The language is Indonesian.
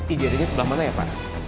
igd nya sebelah mana ya pak